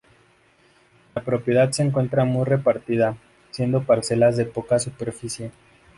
La propiedad se encuentra muy repartida, siendo parcelas de poca superficie.